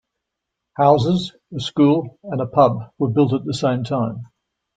Houses, a school and a pub were built at the same time.